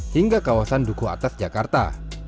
hingga kawasan duku atas jakarta